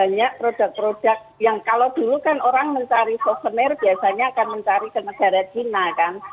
banyak produk produk yang kalau dulu kan orang mencari souvenir biasanya akan mencari ke negara china kan